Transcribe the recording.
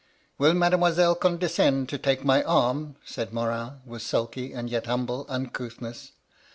"* Will Mademoiselle condescend to take my ann ?* said Morin, with sulky, and yet humble, uncouthness.